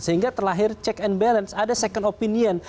sehingga terlahir check and balance ada second opinion